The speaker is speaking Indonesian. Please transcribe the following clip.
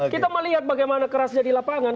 kita melihat bagaimana kerasnya di lapangan